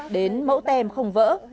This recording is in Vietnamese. đến mẫu tem không vỡ